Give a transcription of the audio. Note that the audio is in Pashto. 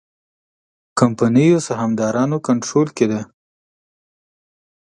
کمپنیو سهامدارانو کنټرول کې ده.